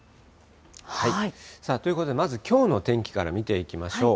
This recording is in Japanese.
ということで、まずきょうの天気から見ていきましょう。